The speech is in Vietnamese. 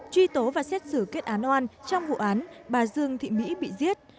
truy tố và xét xử kết án oan trong vụ án bà dương thị mỹ bị giết